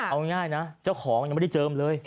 เอาง่ายนะเจ้าของยังไม่ได้เจิมเลย